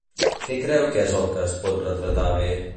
Què creu que és el que es pot retratar bé?